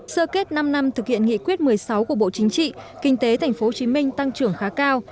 sơ kết năm năm thực hiện nghị quyết một mươi sáu của bộ chính trị kinh tế tp hcm tăng trưởng khá cao